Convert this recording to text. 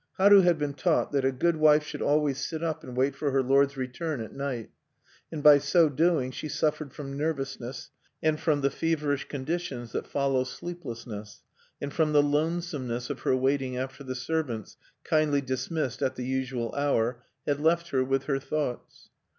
Haru had been taught that a good wife should always sit up and wait for her lord's return at night; and by so doing she suffered from nervousness, and from the feverish conditions, that follow sleeplessness, and from the lonesomeness of her waiting after the servants, kindly dismissed at the usual hour, had left her with her thoughts.